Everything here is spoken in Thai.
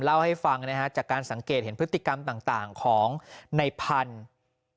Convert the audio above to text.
เล่าให้ฟังนะฮะจากการสังเกตเห็นพฤติกรรมต่างของในพันธุ์